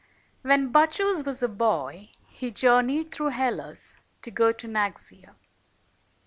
When Bacchus was a boy, he journeyed through Hellas to go to Naxia.